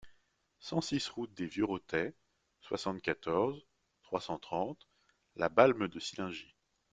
cent six route des Vieux Rotets, soixante-quatorze, trois cent trente, La Balme-de-Sillingy